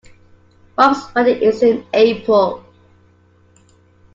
Rob's wedding is in April.